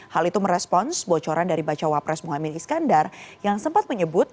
hal itu merespons bocoran dari bacawa pres muhaymin iskandar yang sempat menyebut